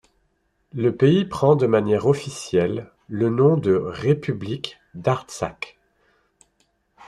Le pays prend de manière officielle le nom de République d'Artsakh.